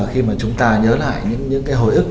khi mà chúng ta nhớ lại những hồi ức